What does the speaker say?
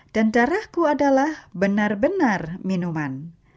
darahku adalah benar benar minuman